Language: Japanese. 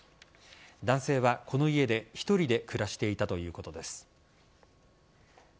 男性はこの家で１人で暮らしていたということです。